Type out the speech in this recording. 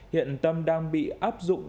hiện tâm đang bị áp dụng